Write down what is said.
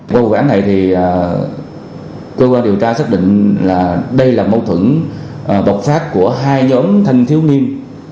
vô vụ án này thì cơ quan điều tra xác định là đây là mâu thuẫn bọc phát của hai nhóm thanh thiếu nghiêm